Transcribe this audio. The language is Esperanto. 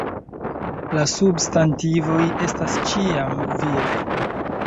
La substantivoj estas ĉiam viraj.